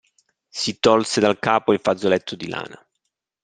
Si tolse dal capo il fazzoletto di lana.